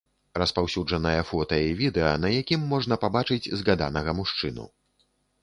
Распаўсюджанае фота і відэа, на якім можна пабачыць згаданага мужчыну.